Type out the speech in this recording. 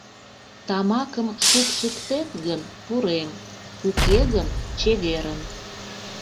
Тамакым шупшыктет гын, пурем, уке гын — чеверын!